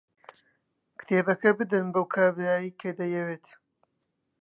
کتێبەکە بدەن بەو کابرایەی کە دەیەوێت.